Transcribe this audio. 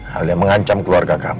hal yang mengancam keluarga kami